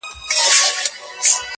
o ما خپل پښتون او خپل ياغي ضمير كي.